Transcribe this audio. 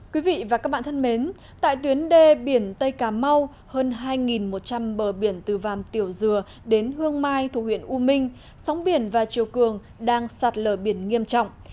quý vị và các bạn thân mến tại tuyến đê biển tây cà mau hơn hai một trăm linh bờ biển từ vàm tiểu dừa đến hương mai thủ huyện u minh sóng biển và chiều cường đang sạt lở biển nghiêm trọng